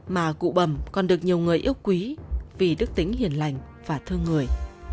mà cụ bầm còn được nhiều người yêu quý vì đức tính hiền lành và thương người